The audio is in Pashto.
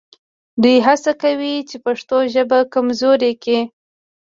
دوی هڅه کوي چې پښتو ژبه کمزورې کړي